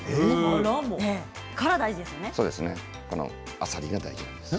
あさりが大事です。